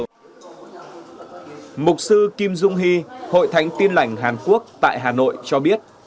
phục sư kim dung hee hội thánh tiên lảnh hàn quốc tại hà nội cho biết